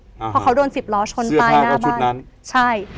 เพราะเขาโดนสิบล้อชนตายหน้าบ้านซื้อผ้าก็ชุดนั้นใช่